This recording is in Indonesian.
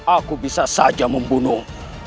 aku bisa saja membunuh